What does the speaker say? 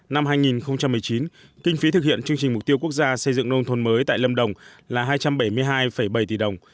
năm hai nghìn một mươi chín kinh phí thực hiện chương trình mục tiêu quốc gia xây dựng nông thôn mới tại lâm đồng là hai trăm bảy mươi hai bảy tỷ đồng